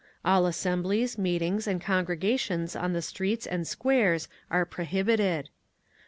All assemblies, meetings and congregations on the streets and squares are prohibited.